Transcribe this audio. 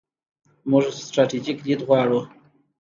موږ ستراتیژیک لید غواړو.